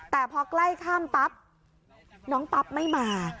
แต่พอใกล้ข้ามปั๊บน้องปั๊บไม่มา